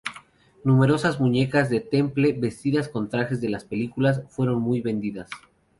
Numerosas muñecas de Temple, vestidas con trajes de las películas, fueron muy vendidas.